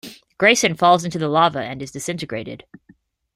Grayson falls into the lava and is disintegrated.